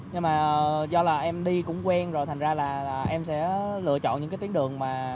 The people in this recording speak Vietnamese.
nhưng mà do là em đi cũng quen rồi thành ra là em sẽ lựa chọn những cái tuyến đường mà